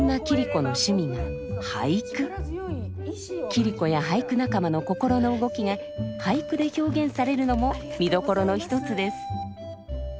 桐子や俳句仲間の心の動きが俳句で表現されるのも見どころの一つです。